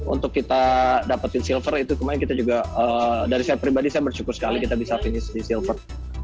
untuk kita dapetin silver itu kemarin kita juga dari saya pribadi saya bersyukur sekali kita bisa finish di silver